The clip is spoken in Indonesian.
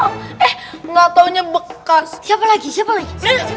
eh nggak taunya bekas siapa lagi siapa lagi